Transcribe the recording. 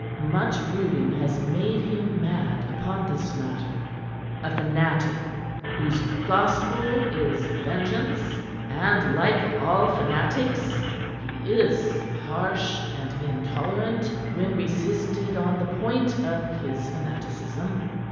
Much brooding has made him mad upon this matter a fanatic whose gospel is Vengeance, and, like all fanatics, he is harsh and intolerant when resisted on the point of his fanaticism.